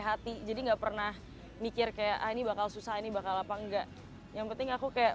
hati jadi enggak pernah mikir kayak ini bakal susah ini bakal apa enggak yang penting aku kayak